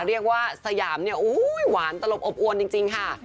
เรียกว่าสยามเนี่ยหวานตลบอบอวนจริงค่ะ